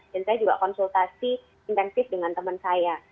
dan saya juga konsultasi intensif dengan teman saya